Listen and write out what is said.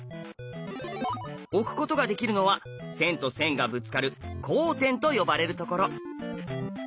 置くことができるのは線と線がぶつかる交点と呼ばれるところ。